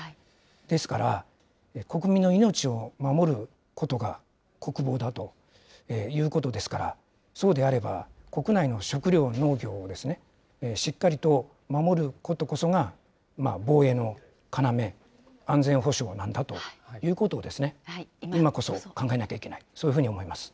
ですから国民の命を守ることが国防だということですので、そうであれば、国内の食料・農業をしっかりと守ることこそが、防衛の要、安全保障なんだということを、今こそ考えなきゃいけない、そういうふうに思います。